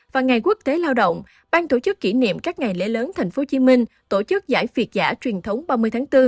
và ngày quốc tế lao động ban tổ chức kỷ niệm các ngày lễ lớn tp hcm tổ chức giải việt giả truyền thống ba mươi tháng bốn